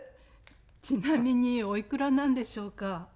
ちなみにおいくらなんでしょうか？